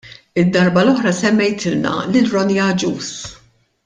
Id-darba l-oħra semmejtilna lil Ronnie Agius.